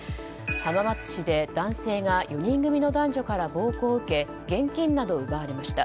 浜松市で、男性が４人組の男女から暴行を受け現金などを奪われました。